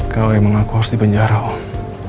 kalau emang aku harus di penjara om